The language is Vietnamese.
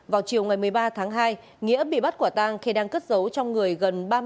vào chiều một mươi ba tháng hai nghĩa bị bắt quả tang khi đang cất giấu trong người gần ba mươi ba